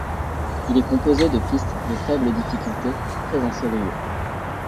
Il est composé de pistes de faible difficulté, très ensoleillées.